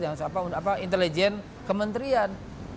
yang apa apa intelijen kementerian